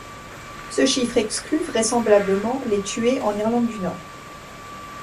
Ce chiffre exclut vraisemblablement les tués en Irlande du Nord.